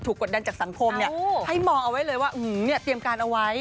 ถูกกดดันจากสังคมเนี่ยให้มองเอาไว้เลยว่าอื้อเนี่ยเตรียมการเอาไว้